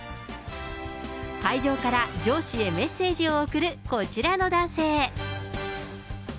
会場から上司へメッセージを送るこちらの男性。